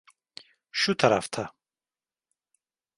Şu tarafta.